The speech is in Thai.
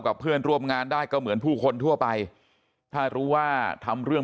เพื่อนร่วมงานได้ก็เหมือนผู้คนทั่วไปถ้ารู้ว่าทำเรื่อง